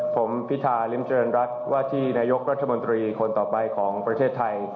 ผมพิธาริมเจริญรัฐว่าที่นายกรัฐมนตรีคนต่อไปของประเทศไทย